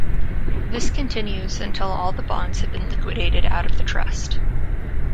This continues until all the bonds have been liquidated out of the trust.